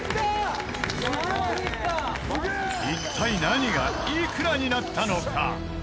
一体何がいくらになったのか？